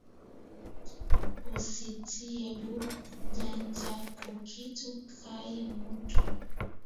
Usi tiye bu janja ku kitu kya mutu